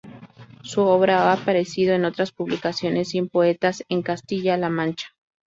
Su obra ha aparecido en otras publicaciones: "Cien poetas en Castilla-La Mancha".